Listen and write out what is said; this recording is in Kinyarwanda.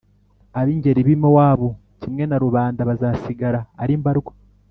ab’ingenzi b’i Mowabu kimwe na rubanda bazasigara ari mbarwa.